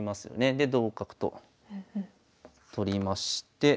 で同角と取りまして。